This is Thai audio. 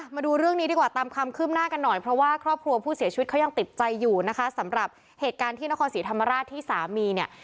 มาดูเรื่องนี้ดีกว่าตามความคืบหน้ากันหน่อยเพราะว่าครอบครัวผู้เสียชีวิตเขายังติดใจอยู่นะคะสำหรับเหตุการณ์ที่นครศรีธรรมราชที่สามีเนี่ย